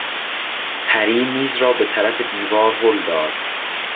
پری میز را به طرف دیوار هل داد.